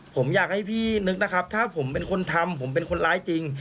ผมอยากให้พี่นึกนะครับถ้าผมเป็นคนทำผมเป็นคนร้ายจริง